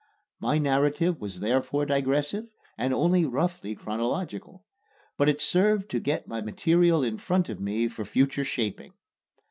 My narrative was therefore digressive and only roughly chronological. But it served to get my material in front of me for future shaping.